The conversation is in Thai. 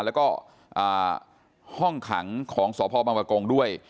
แล้วก็ห้องขังของสพบังปะกงด้วย